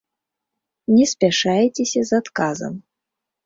Не спяшаецеся з адказам.